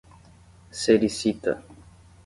Sericita